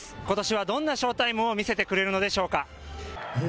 ことしはどんなショータイムを見せてくれるのでしょうか。